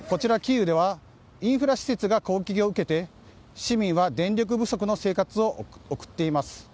一方こちらキーウではインフラ施設が攻撃を受けて市民は電力不足の生活を送っています。